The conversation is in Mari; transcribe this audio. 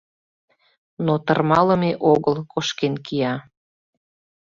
— Но тырмалыме огыл, кошкен кия.